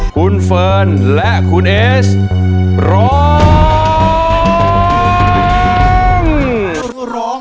คุณเฟิร์นและคุณเอสร้อง